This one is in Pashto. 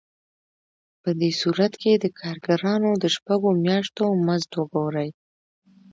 په دې صورت کې د کارګرانو د شپږو میاشتو مزد وګورئ